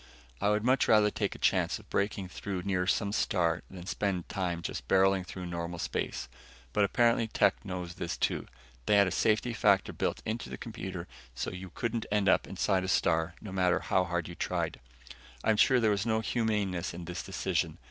I would much rather take a chance of breaking through near some star than spend time just barreling through normal space, but apparently Tech knows this, too. They had a safety factor built into the computer so you couldn't end up inside a star no matter how hard you tried. I'm sure there was no humaneness in this decision.